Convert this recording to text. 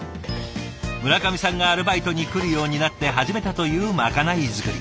村上さんがアルバイトに来るようになって始めたというまかない作り。